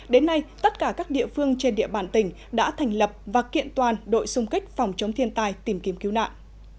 đến nay tất cả các địa phương trên địa bàn tỉnh đã thành lập và kiện toàn đội xung kích phòng chống thiên tai tìm kiếm cứu nạn